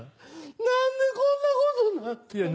何でこんなことになってん？